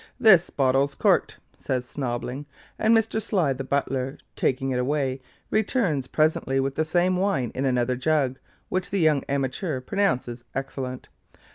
'This bottle's corked,' says Snobling; and Mr. Sly, the butler, taking it away, returns presently with the same wine in another jug, which the young amateur pronounces excellent.